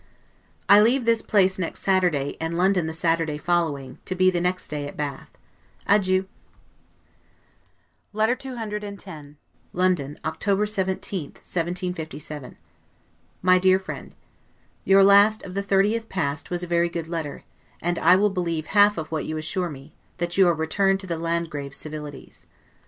I leave this place next Saturday, and London the Saturday following, to be the next day at Bath. Adieu. LETTER CCX LONDON, October 17, 1757. MY DEAR FRIEND: Your last, of the 30th past, was a very good letter; and I will believe half of what you assure me, that you returned to the Landgrave's civilities.